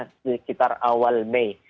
di sekitar awal mei